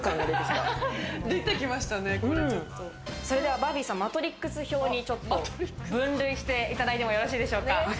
バービーさん、マトリックス表に分類していただいてもよろしいでしょうか？